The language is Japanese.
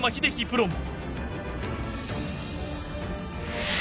プロも。